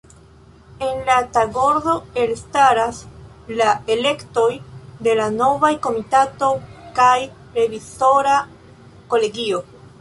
En la tagordo elstaras la elektoj de la novaj Komitato kaj revizora kolegio.